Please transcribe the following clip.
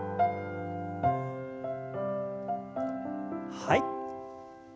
はい。